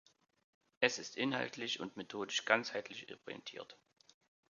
Es ist inhaltlich und methodisch ganzheitlich orientiert.